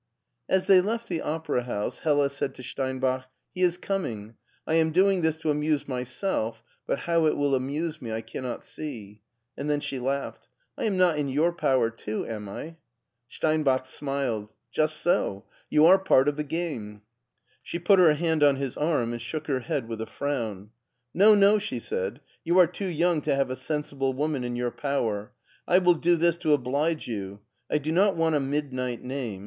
As they left the opera house, Hella said to Stein bach, " He is coming. I am doing this to amuse my self, but how it will amuse me I cannot see." And then she laughed. " I am not in your power too, am I ?" Steinbach smiled. "Just so! You are part of the game !" She put her hand on his arm and shook her head with a frown. " No, no," she said ;" you are too young to have a sensible woman in your power. I will do this to oblige you. I do not want a midnight name.